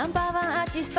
アーティスト